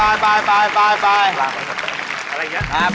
อะไรอย่างนี้